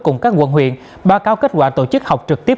cùng các quận huyện báo cáo kết quả tổ chức học trực tiếp